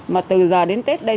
mà từ giờ đến tết đây